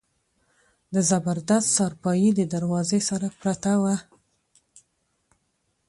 د زبردست څارپايي د دروازې سره پرته وه.